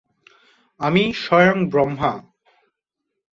আমি স্বয়ং ব্রহ্মা।